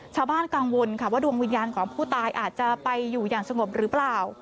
ชาวบ้านกังวลค่ะว่าดวงวิญญาณของผู้ตายอาจจะไปอยู่อย่างสงบหรือเปล่า